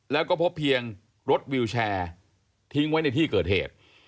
แล้วก็พบเพียงรถวิวแชร์ทิ้งไว้ในที่เกิดเหตุ